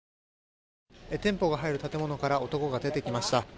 「店舗が入る建物から男が出てきました